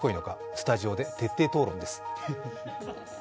スタジオで徹底討論です。